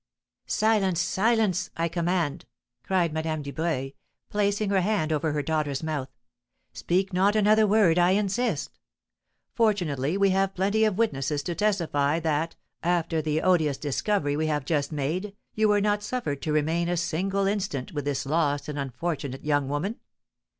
"Silence! silence! I command!" cried Madame Dubreuil, placing her hand over her daughter's mouth. "Speak not another word, I insist! Fortunately, we have plenty of witnesses to testify that, after the odious discovery we have just made, you were not suffered to remain a single instant with this lost and unfortunate young woman.